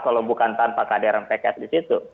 kalau bukan tanpa kehadiran pkb disitu